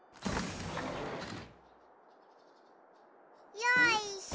よいしょ！